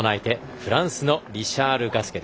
フランスのリシャール・ガスケ。